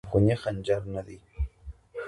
خوني خنجر نه دى